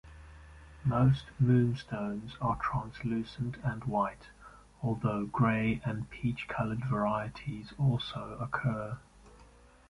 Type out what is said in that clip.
Most moonstones are translucent and white, although grey and peach-colored varieties also occur.